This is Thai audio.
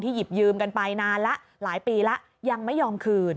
หยิบยืมกันไปนานแล้วหลายปีแล้วยังไม่ยอมคืน